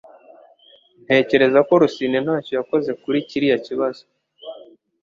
Ntekereza ko Rusine ntacyo yakoze kuri kiriya kibazo